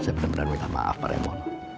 saya bener bener minta maaf pak remon